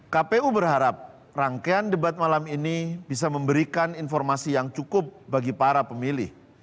kpu berharap rangkaian debat malam ini bisa memberikan informasi yang cukup bagi para pemilih